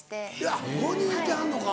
あっ５人いてはんのか。